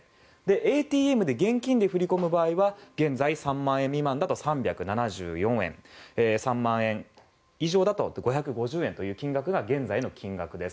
ＡＴＭで現金で振り込む場合は現在３万円未満だと３７４円３万円以上だと５５０円という金額が現在の金額です。